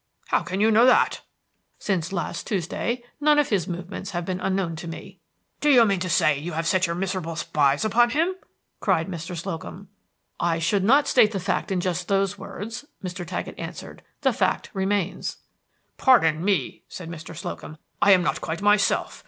"How can you know that?" "Since last Tuesday none of his movements have been unknown to me." "Do you mean to say that you have set your miserable spies upon him?" cried Mr. Slocum. "I should not state the fact in just those words," Mr. Taggett answered. "The fact remains." "Pardon me," said Mr. Slocum. "I am not quite myself.